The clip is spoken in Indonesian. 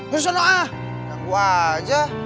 terus lu sana ah